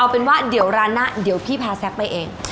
เป็นว่าเดี๋ยวร้านหน้าเดี๋ยวพี่พาแซคไปเอง